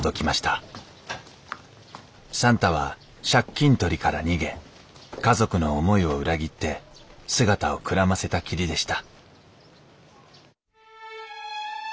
算太は借金取りから逃げ家族の思いを裏切って姿をくらませたきりでした